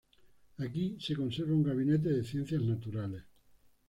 Aquí se conserva un Gabinete de Ciencias Naturales.